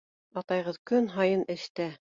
Атайығыҙ көн һайын эштә.